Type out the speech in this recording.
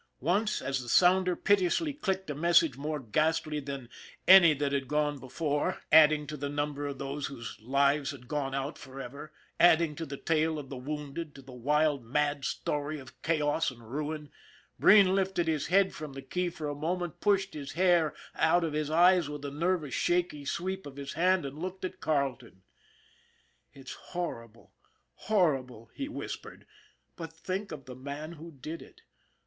Once, as the sounder pitilessly clicked a message more ghastly than any that had gone before, adding SO ON THE IRON AT BIG CLOUD to the number of those whose lives had gone out for ever, adding to the tale of the wounded, to the wild, mad story of chaos and ruin, Breen lifted his head from the key for a moment, pushed his hair out of his eyes with a nervous, shaky sweep of his hand, and looked at Carleton. " It's horrible, horrible," he whispered ;" but think of the man who did it.